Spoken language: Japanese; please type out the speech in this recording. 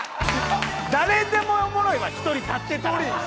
誰でもおもろいわ１人立ってたら。